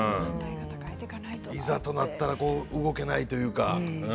いざとなったら動けないというか。